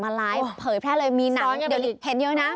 ไลฟ์เผยแพร่เลยมีหนังเดี๋ยวเห็นเยอะนะ